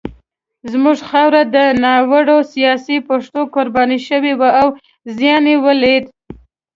زموږ خاوره د ناوړه سیاسي پېښو قرباني شوې وه او زیان یې ولید.